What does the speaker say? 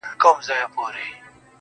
سترگي چي پټي كړي باڼه يې سره ورسي داسـي.